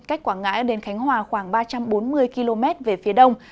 cách quảng ngãi đến khánh hòa khoảng ba trăm bốn mươi km về phía đông